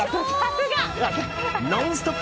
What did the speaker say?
「ノンストップ！」